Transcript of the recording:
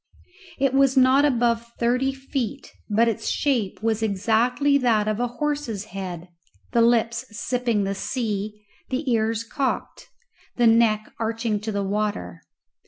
It was not above thirty feet high, but its shape was exactly that of a horse's head, the lips sipping the sea, the ears cocked, the neck arching to the water.